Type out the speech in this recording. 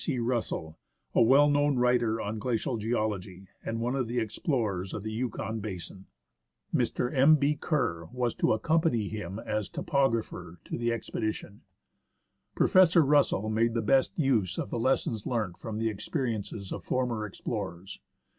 C. Russell, a well known writer on glacial geology, and one of the explorers of the Yukon basin. Mr. M. B. Kerr was to accompany him as topographer to the expedition. Professor Russell made the best use of the lessons learnt from the experiences of former explorers.